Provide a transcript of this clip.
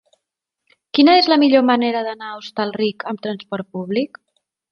Quina és la millor manera d'anar a Hostalric amb trasport públic?